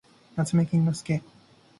なつめきんのすけ